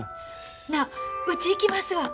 なあうち行きますわ。